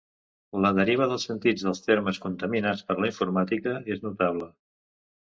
La deriva dels sentits dels termes contaminats per la informàtica és notable.